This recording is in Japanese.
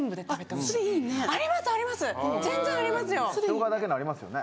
ショウガだけのありますよね。